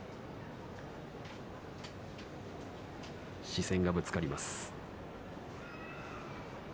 視線がぶつかります。